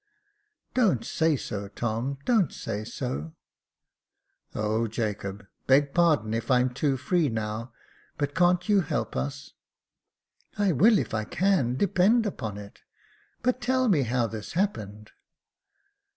" Don't say so, Tom ; don't say so !"Oh, Jacob ! beg pardon if I'm too free now ; but can't you help us ?"*' I will if I can, depend upon it ; but tell me how this happened."